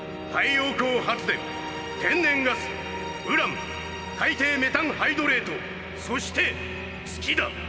「太陽光発電天然ガスウラン海底メタンハイドレートそして月だ」。